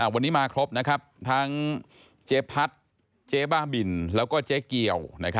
วันนี้มาครบทั้งเจ๊พัดเจ๊บ้าบินแล้วก็เจ๊เกียว